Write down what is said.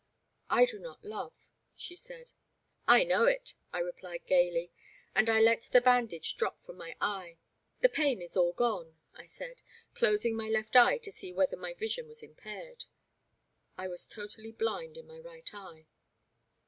I do not love," she said. I know it," I replied gaily, and I let the ban dage drop from my eye. " The pain is all gone," I said, closing my left eye to see whether my vision was impaired. I was totally blind in my right eye.